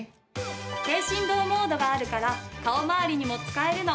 低振動モードがあるから顔周りにも使えるの。